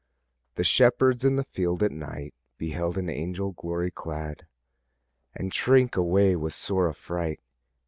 The shepherds in the field at night Beheld an angel glory clad. And shrank away with sore afright.